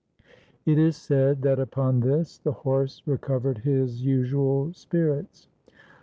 It is said that upon this the horse recovered his usual spirits.